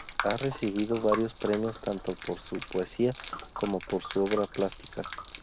Ha recibido varios premios tanto por su poesía como por su obra plástica.